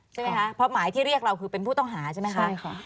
ใช่ไหมคะเพราะหมายที่เรียกเราคือเป็นผู้ต้องหาใช่ไหมคะใช่ค่ะ